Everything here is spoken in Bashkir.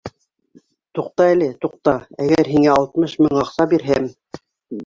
— Туҡта әле, туҡта, әгәр һиңә алтмыш мең аҡса бирһәм...